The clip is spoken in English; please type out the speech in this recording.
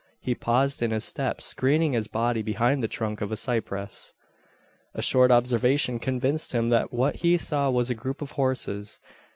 He paused in his steps, screening his body behind the trunk of a cypress. A short observation convinced him, that what he saw was a group of horses.